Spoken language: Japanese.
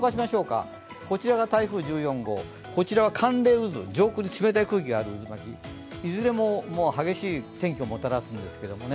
こちらが台風１４号、こちらは寒冷渦、上空に冷たい空気がある渦巻き、いずれも激しい天気をもたらすんですが。